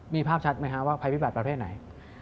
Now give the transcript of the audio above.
มีภาพชัดไหมฮะว่าภัยพิบัติประเภทไหน